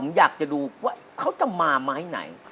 ผมอยากจะดูว่าเขาจะมาไม้ไหน